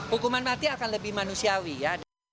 hukuman mati akan lebih manusiawi ya